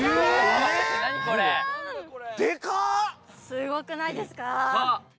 すごくないですか？